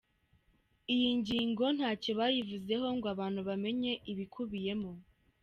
Iyi nyigo ntacyo bayivuzeho ngo abantu bamenye ibikubiyemo.